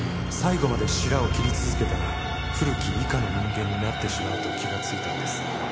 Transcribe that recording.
最後までシラを切り続けた古木以下の人間になってしまうと気がついたんです」